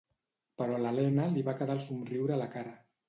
Però a l'Helena li va quedar el somriure a la cara.